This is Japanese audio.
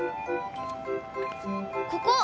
ここ！